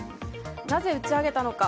なぜ打ち上げたのか？